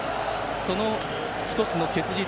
その１つの結実